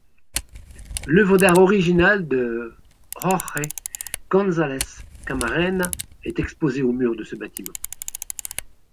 L’œuvre d’art originale de Jorge González Camarena est exposée au mur de ce bâtiment.